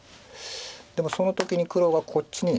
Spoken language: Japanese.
でもその時に黒がこっちに。